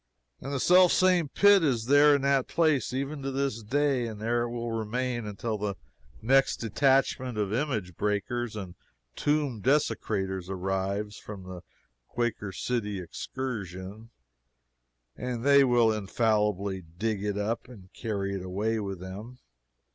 And the self same pit is there in that place, even to this day; and there it will remain until the next detachment of image breakers and tomb desecraters arrives from the __Quaker City__ excursion, and they will infallibly dig it up and carry it away with them.